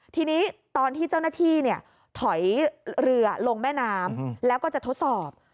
ทีนี้ตอนที่เจ้าหน้าที่ถอยเรือลงแม่น้ำแล้วก็จะทดสอบ